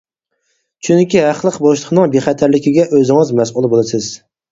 چۈنكى ھەقلىق بوشلۇقنىڭ بىخەتەرلىكىگە ئۆزىڭىز مەسئۇل بولىسىز.